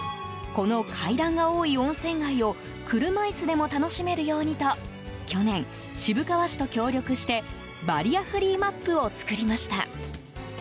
この階段が多い温泉街を車椅子でも楽しめるようにと去年、渋川市と協力してバリアフリーマップを作りました。